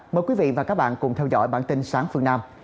mời quý vị và các bạn cùng theo dõi bản tin sáng phương nam